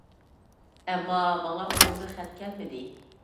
ئەمما، ماڭا ئۇنىڭدىن خەت كەلمىدى.